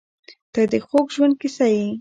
• ته د خوږ ژوند کیسه یې.